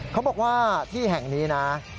เขาบอกว่าที่แห่งนี้นะ